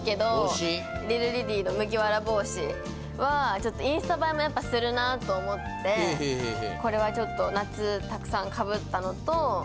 リルリリーの麦わら帽子はインスタ映えもやっぱするなぁと思ってこれはちょっと夏たくさん被ったのと。